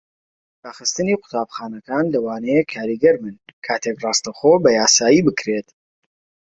داخستنی قوتابخانەکان لەوانەیە کاریگەر بن کاتێک ڕاستەوخۆ بەیاسایی بکرێت.